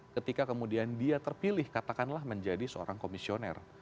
ketika kemudian dia terpilih katakanlah menjadi seorang komisioner